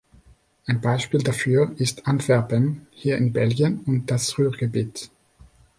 Ein Beispiel dafür ist Antwerpen hier in Belgien und das Ruhrgebiet.